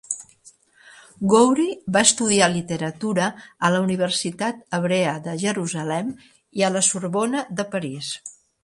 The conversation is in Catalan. Gouri va estudiar literatura a la Universitat Hebrea de Jerusalem i a la Sorbona de París.